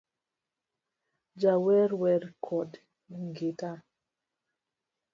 Jawer wer kod gita